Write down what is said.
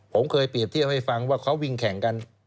ผมเคยเปรียบเทียบให้ฟังว่าเขาวิ่งแข่งกัน